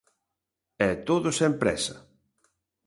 E todo sen présa.